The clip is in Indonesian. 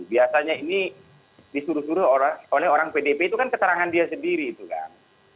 biasanya ini disuruh suruh oleh orang pdp itu kan keterangan dia sendiri itu kan